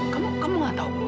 kamu kamu nggak tahu belum